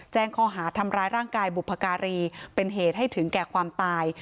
แจ้งข้อหาทำร้ายร่างกายบุพการีเป็นเหตุให้ถึงแก่ความตาย